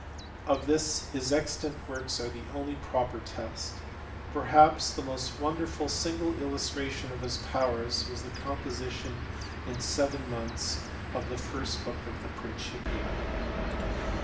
Of this his extant works are the only proper test. Perhaps the most wonderful single illustration of his powers was the composition in seven months of the first book of the Principia.